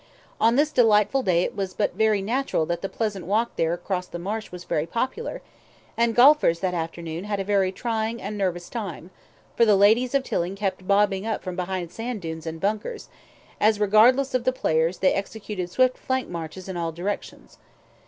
On this delightful day it was but natural that the pleasant walk there across the marsh was very popular, and golfers that afternoon had a very trying and nervous time, for the ladies of Tilling kept bobbing up from behind sand dunes and bunkers, as, regardless of the players, they executed swift flank marches in all directions.